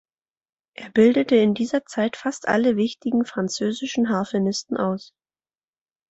Er bildete in dieser Zeit fast alle wichtigen französischen Harfenisten aus.